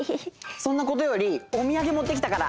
そんなことよりおみやげもってきたから！